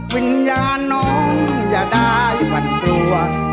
วิญญาณน้องอย่าได้วันกลัว